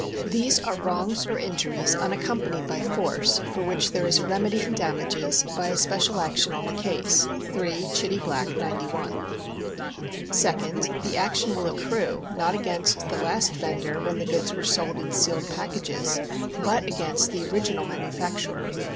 These are wrongs or injuries unaccompanied by force, for which there is a remedy in damages by a special action on the case, 3 Chitty Black, 91. Second : The action will accrue not against the last vendor when the goods are sold in sealed packages, but against the original manufacturer.